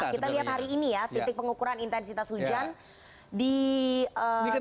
kita lihat hari ini ya titik pengukuran intensitas hujan